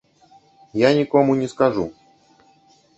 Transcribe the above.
Я нікому не скажу.